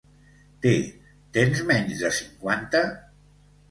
Té, tens menys de cinquanta?